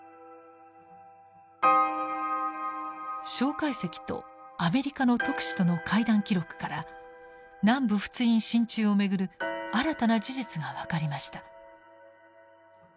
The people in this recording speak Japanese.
介石とアメリカの特使との会談記録から南部仏印進駐を巡る新たな事実が分かりました。